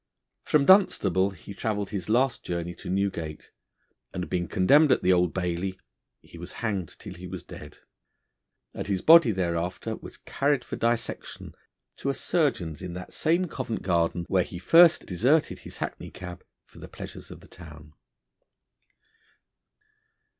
From Dunstable he travelled his last journey to Newgate, and, being condemned at the Old Bailey, he was hanged till he was dead, and his body thereafter was carried for dissection to a surgeon's in that same Covent Garden where he first deserted his hackney cab for the pleasures of the town.